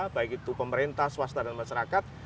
baik itu pemerintah swasta dan masyarakat